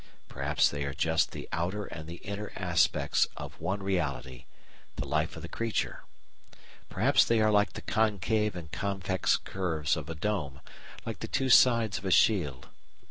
Perhaps they are just the outer and the inner aspects of one reality the life of the creature. Perhaps they are like the concave and convex curves of a dome, like the two sides of a shield.